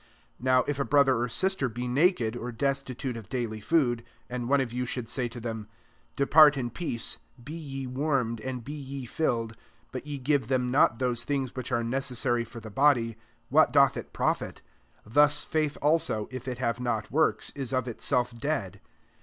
15 [Abtv] if a brother or sister be naked, or destitute of daily food; 16 and one of you should say to them ;<< Depart in peace, be ye warmed, and be ye filled ;'* but ye give them not those things which are necessary for the body ; what doth it profit ? 17 Thus faith also, if it have not works, is of itself dead.